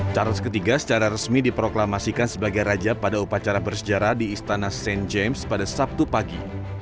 charles iii secara resmi diproklamasikan sebagai raja pada upacara bersejarah di istana st james pada sabtu pagi